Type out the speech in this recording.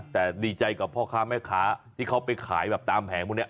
แต่ดีใจกับพ่อค้าแม่ค้าที่เขาไปขายแบบตามแผงพวกนี้